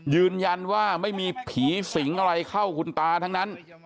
ยืนยันว่าไม่มีผีสิงอะไรเข้าคุณตาทั้งนั้น